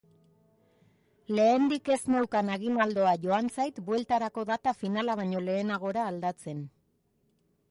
Lehendik ez neukan aginaldoa joan zait bueltarako data finala baino lehenagora aldatzen.